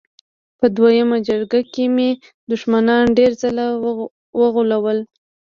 په دویمه جګړه کې مې دښمنان ډېر ځله وغولول